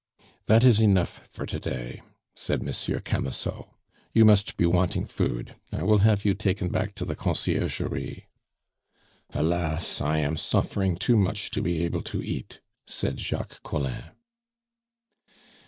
"That is enough for to day," said Monsieur Camusot. "You must be wanting food. I will have you taken back to the Conciergerie." "Alas! I am suffering too much to be able to eat," said Jacques Collin.